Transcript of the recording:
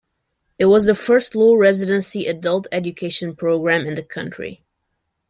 It was the first low-residency adult education program in the country.